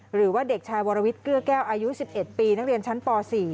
หรือว่าเด็กชายวรวิทย์เกื้อแก้วอายุ๑๑ปีนักเรียนชั้นป๔